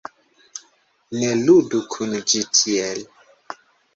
Ne ludu kun ĝi tiel